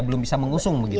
belum bisa mengusung